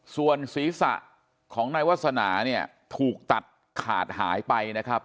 ส่วนศีรษะของนายวาสนาเนี่ยถูกตัดขาดหายไปนะครับ